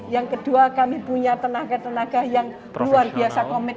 yang kedua kami punya tenaga tenaga yang luar biasa komit